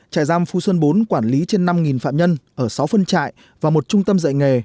trại giam phú sơn bốn quản lý trên năm phạm nhân ở sáu phân trại và một trung tâm dạy nghề